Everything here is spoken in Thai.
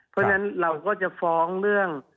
เพราะฉะนั้นเราก็จะฟ้องเรื่อง